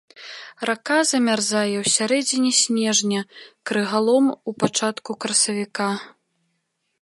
Рака замярзае ў сярэдзіне снежня, крыгалом у пачатку красавіка.